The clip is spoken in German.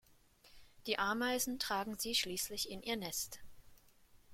Die Ameisen tragen sie schließlich in ihr Nest.